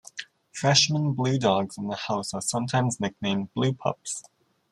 Freshman Blue Dogs in the House are sometimes nicknamed "Blue Pups".